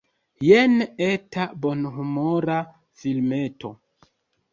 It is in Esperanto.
Jen eta bonhumora filmeto.